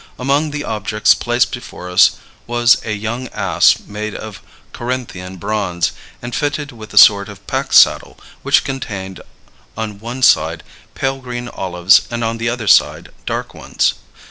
Among the objects placed before us was a young ass made of Corinthian bronze and fitted with a sort of pack saddle which contained on one side pale green olives and on the other side dark ones.